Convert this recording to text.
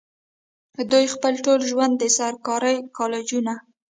دوي خپل ټول ژوند د سرکاري کالجونو